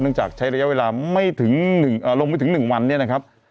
เนื่องจากใช้ระยะเวลาลงไม่ถึงหนึ่งวันเนี่ยนะครับ